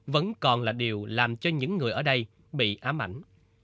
vẫn còn là điều làm cho những người ở đây bị ám ảnh